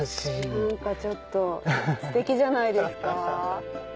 何かちょっとステキじゃないですか？